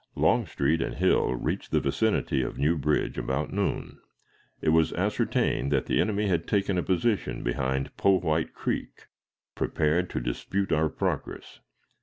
Longstreet and Hill reached the vicinity of New Bridge about noon. It was ascertained that the enemy had taken a position behind Powhite Creek, prepared to dispute our progress.